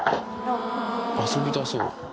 遊びたそう。